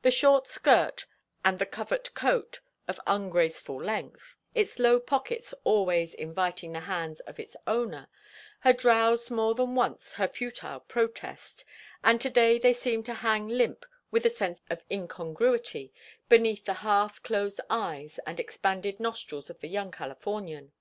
The short skirt and the covert coat of ungraceful length, its low pockets always inviting the hands of its owner, had roused more than once her futile protest, and to day they seemed to hang limp with a sense of incongruity beneath the half closed eyes and expanded nostrils of the young Californian.